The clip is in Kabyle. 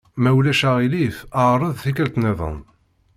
Ma ulac aɣilif εreḍ tikkelt-nniḍen.